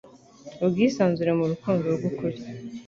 ubwisanzure mu rukundo rw'ukuri